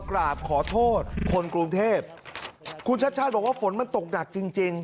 กราบขอโทษคนกรุงเทพคุณชัดชาติบอกว่าฝนมันตกหนักจริงจริง